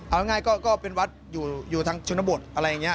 เอาง่ายก็เป็นวัดอยู่ทางชนบทอะไรอย่างนี้